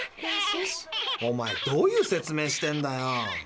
おまえどういう説明してんだよ。